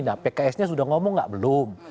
nah pks nya sudah ngomong nggak belum